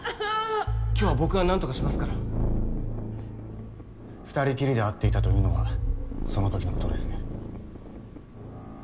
今日は僕が何とかしますから２人きりで会っていたというのはその時のことですね。